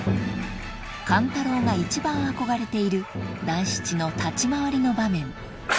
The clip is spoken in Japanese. ［勘太郎が一番憧れている団七の立ち回りの場面］